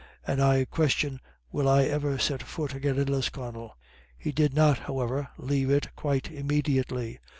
And I question will I ever set fut agin in Lisconnel." He did not, however, leave it quite immediately.